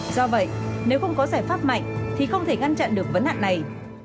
do vậy nếu không có giải pháp mạnh thì không thể ngăn chặn được vấn nạn này